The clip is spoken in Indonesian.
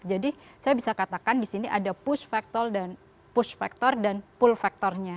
jadi saya bisa katakan di sini ada push factor dan pull factornya